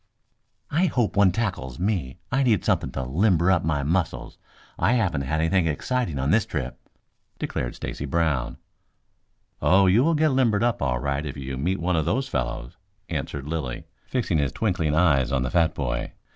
"I hope one tackles me. I need something to limber up my muscles. I haven't had anything exciting on this trip," declared Stacy Brown. "Oh, you will get limbered up all right if you meet one of those fellows," answered Lilly, fixing his twinkling eyes on the fat boy.